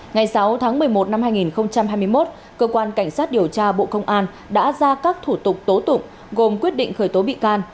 ngày sáu tháng một mươi một năm hai nghìn hai mươi một cơ quan cảnh sát điều tra bộ công an đã ra các thủ tục tố tụng gồm quyết định khởi tố bị can